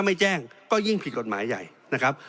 เพราะฉะนั้นโทษเหล่านี้มีทั้งสิ่งที่ผิดกฎหมายใหญ่นะครับ